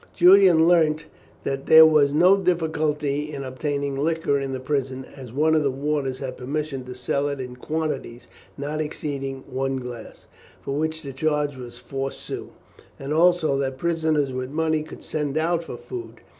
Julian learnt that there was no difficulty in obtaining liquor in the prison, as one of the warders had permission to sell it in quantities not exceeding one glass, for which the charge was four sous, and also that prisoners with money could send out for food.